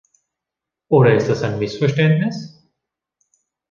Oder ist das ein Missverständnis?